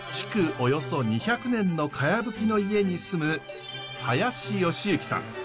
およそ２００年の茅葺の家に住む林良行さん。